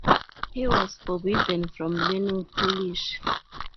He was forbidden from learning Polish.